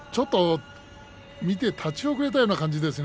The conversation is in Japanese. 見て立ち遅れたような感じでしたね。